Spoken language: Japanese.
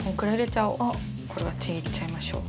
これはちぎっちゃいましょう。